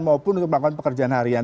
maupun melakukan pekerjaan harian